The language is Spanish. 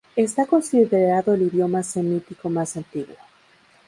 Está considerado el idioma semítico más antiguo.